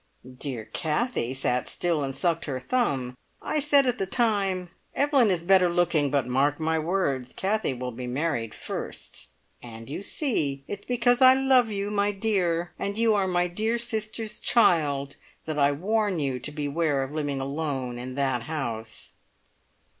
Dear Kathie sat still and sucked her thumb. I said at the time, `Evelyn is better looking, but mark my words, Kathie will be married first!' And you see! It's because I love you, my dear, and you are my dear sister's child that I warn you to beware of living alone in that house!"